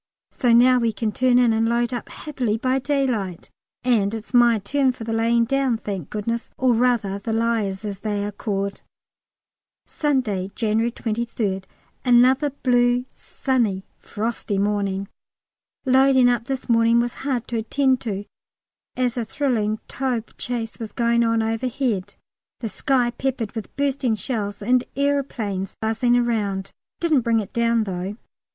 so now we can turn in, and load up happily by daylight, and it's my turn for the lying down, thank goodness, or rather the Liers, as they are called. Saturday, January 23rd. Another blue, sunny, frosty morning. Loading up this morning was hard to attend to, as a thrilling Taube chase was going on overhead, the sky peppered with bursting shells, and aeroplanes buzzing around: didn't bring it down though.